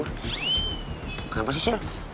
kenapa sih sil